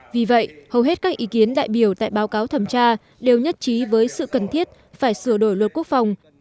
vì vậy hầu hết các ý kiến đại biểu tại báo cáo thẩm tra đều nhất trí với sự cần thiết phải sửa đổi luật quốc phòng